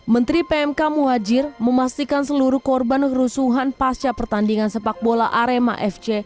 menteri pmk muhajir memastikan seluruh korban kerusuhan pasca pertandingan sepak bola arema fc